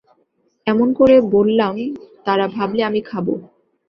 এমন করে বল্লাম তাবা ভাবলে আমি খাবো।